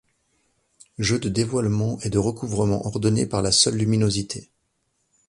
Jeu de dévoilement et de recouvrement ordonné par la seule luminosité.